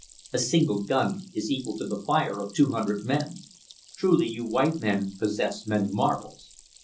A single gun is equal to the fire of two hundred men. Truly you white men possess many marvels."